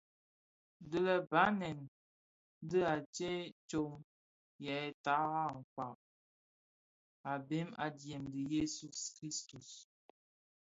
Dii lè Banèn di a tsee tsom yè tara kpag a bheg adyèm dhi Jesu - Kristus.